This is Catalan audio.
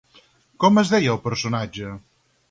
Com es deia el personatge?